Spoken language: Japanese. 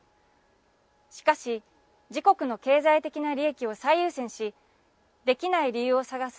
しかし、自国の経済的な利益を最優先し、できない理由を探す